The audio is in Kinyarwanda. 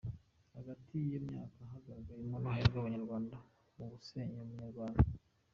Hagati y’iyo myaka hagaragayemo uruhare rw’Abanyarwanda mu gusenya ubunyarwanda.